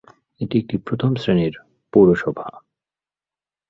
এটি একটি প্রথম শ্রেণীর পৌরসভা।